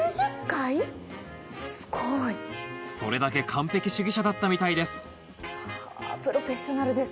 それだけ完璧主義者だったみたいですはぁ。